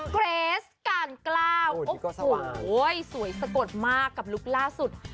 เกรสกันกล้าวสวยสะกดมากกับลูกล่าสุด